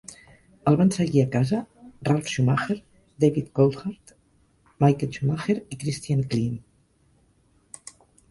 El van seguir a casa Ralf Schumacher, David Coulthard, Michael Schumacher i Christian Klien.